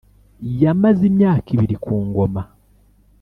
Yamaze imyaka ibiri ku ngoma